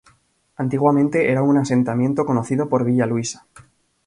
Antiguamente era un asentamiento conocido por Villa Luisa.